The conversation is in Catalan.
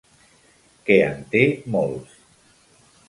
Que en té molts.